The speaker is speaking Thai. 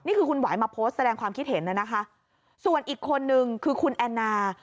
นี่คือคุณหวายมาโพสต์แสดงความคิดเห็นน่ะนะคะส่วนอีกคนนึงคือคุณแอนนา